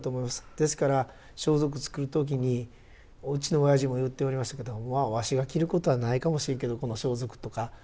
ですから装束作る時にうちの親父も言っておりましたけど「まあわしが着ることはないかもしれんけどこの装束」とか。